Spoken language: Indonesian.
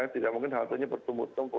tidak mungkin haltenya bertumbuh tumpu